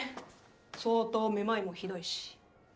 相当めまいもひどいし。